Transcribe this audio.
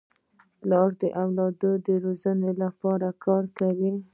پلار د اولاد د روزني لپاره کار کوي.